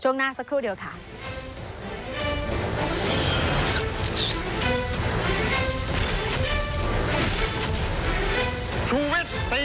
ช่วงหน้าสักครู่เดี๋ยวค่ะ